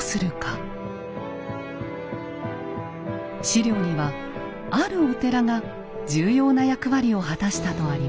史料にはあるお寺が重要な役割を果たしたとあります。